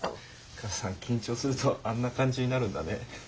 母さん緊張するとあんな感じになるんだね。